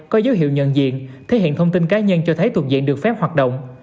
có dấu hiệu nhận diện thể hiện thông tin cá nhân cho thấy thuộc diện được phép hoạt động